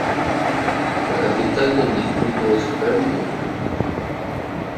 La capital del distrito es Bernburg.